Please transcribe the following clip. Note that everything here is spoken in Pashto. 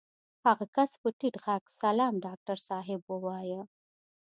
هغه کس په ټيټ غږ سلام ډاکټر صاحب ووايه.